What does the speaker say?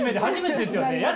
初めてですよね？